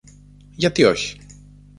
Γιατί όχι;